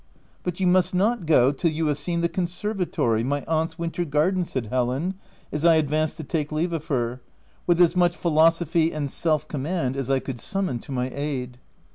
u But you must not go till you have seen the conservatory, my aunt's winter garden," said Helen, as I advanced to take leave of her, with as much philosophy and self command as I could summon to my aid.